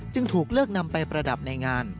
จึงถูกเลือกนำไปประดับในงาน